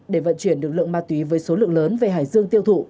để vận chuyển được lượng ma túy với số lượng lớn về hải dương tiêu thụ